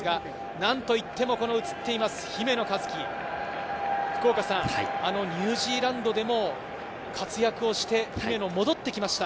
何といっても姫野和樹、ニュージーランドでも、活躍をして姫野、戻ってきました。